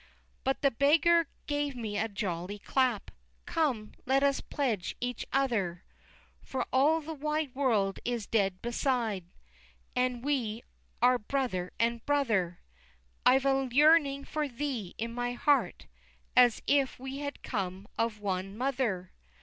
X But the beggar gave me a jolly clap "Come, let us pledge each other, For all the wide world is dead beside, And we are brother and brother I've a yearning for thee in my heart, As if we had come of one mother."